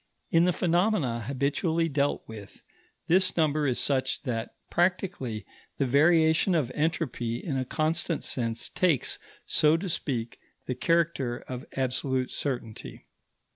In the phenomena habitually dealt with, this number is such that, practically, the variation of entropy in a constant sense takes, so to speak, the character of absolute certainty.